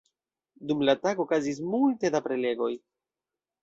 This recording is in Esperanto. Dum la tago okazis multe da prelegoj.